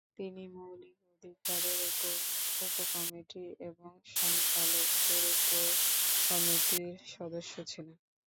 তিনি মৌলিক অধিকারের উপর উপ-কমিটি এবং সংখ্যালঘুদের উপ-কমিটির সদস্য ছিলেন।